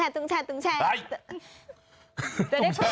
ตึงแช่